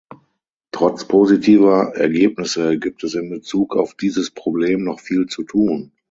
Trotz positiver Ergebnisse gibt es in Bezug auf dieses Problem noch viel zu tun.